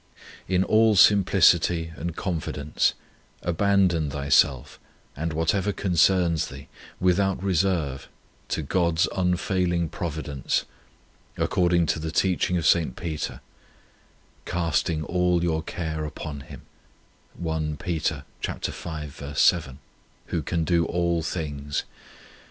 In all simplicity and confidence abandon thyself and whatever concerns thee without reserve to God s unfailing Providence, accord ing to the teaching of St. Peter: "Casting all your care upon Him," 1 Who can do all things.